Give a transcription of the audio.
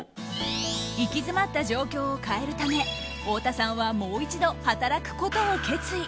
行き詰った状況を変えるため太田さんはもう一度、働くことを決意。